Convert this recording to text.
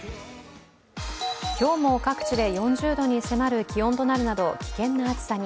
今日も各地で４０度に迫る気温となるなど危険な暑さに。